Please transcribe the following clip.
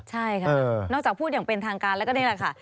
ใช่ค่ะนอกจากพูดอย่างเป็นทางการแล้วก็นี่แหละค่ะ